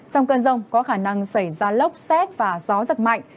trong cơn rông có khả năng xảy ra lốc xét và gió giật mạnh